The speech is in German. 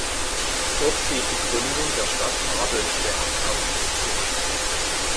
Dort geht die Gründung der Stadt Habelschwerdt auf ihn zurück.